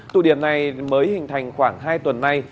tụ điểm này mới hình thành khoảng hai tuần nay